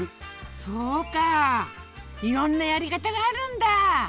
そうかあいろんなやり方があるんだ。